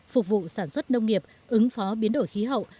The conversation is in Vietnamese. phục vụ sản xuất nông nghiệp ứng phó biến đổi khí hậu